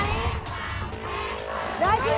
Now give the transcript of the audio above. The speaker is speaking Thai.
เนย๔โล